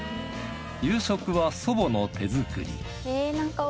夕食は祖母の手作り。